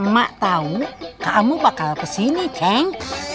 mak tahu kamu bakal kesini ceng